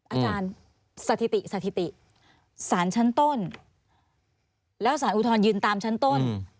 อาจารย์สถิติสถิติสารชั้นต้นแล้วสารอุทธรณยืนตามชั้นต้น